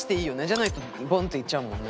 じゃないとボンといっちゃうもんね。